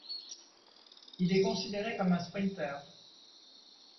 Il est considéré comme un sprinter.